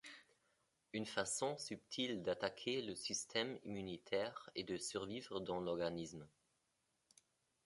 Une façon subtile d’attaquer le système immunitaire et de survivre dans l’organisme.